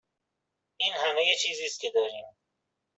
این همه چیزی است که داریم.